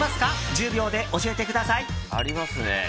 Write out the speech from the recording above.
１０秒で教えてください。ありますね。